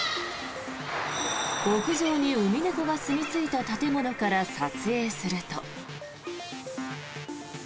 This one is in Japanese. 屋上にウミネコがすみ着いた建物から撮影すると。